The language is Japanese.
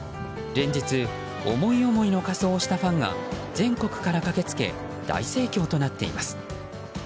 連日、思い思いの仮装をしたファンが全国から駆け付け大盛況となっています。